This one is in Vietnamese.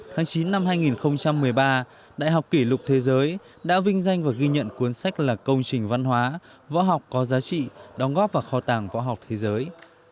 tháng chín năm hai nghìn một mươi ba đại học kỷ lục thế giới đã vinh danh và ghi nhận cuốn sách là công trình văn hóa võ học có giá trị đóng góp vào kho tàng võ học thế giới